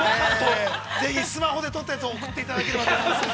ぜひスマホで撮ったやつを送っていただければと思いますが。